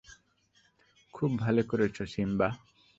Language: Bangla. খুব ভালো করেছ, সিম্বা!